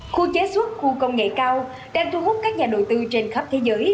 khu chế xuất khu công nghệ cao đang thu hút các nhà đầu tư trên khắp thế giới